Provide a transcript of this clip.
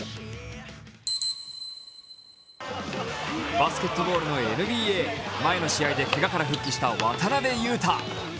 バスケットボールのＮＢＡ、前の試合でけがから復帰した渡邊雄太。